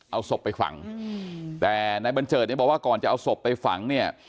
เอาศพไปฝังแต่นายบัญเจิดเนี่ยบอกว่าก่อนจะเอาศพไปฝังเนี่ย